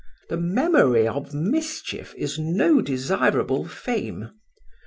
The memory of mischief is no desirable fame.